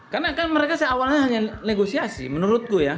karena kan mereka awalnya hanya negosiasi menurutku ya